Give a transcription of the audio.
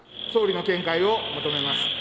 総理の見解を求めます。